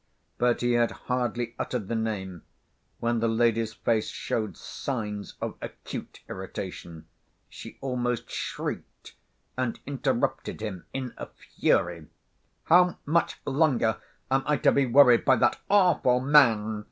But he had hardly uttered the name, when the lady's face showed signs of acute irritation. She almost shrieked, and interrupted him in a fury: "How much longer am I to be worried by that awful man?"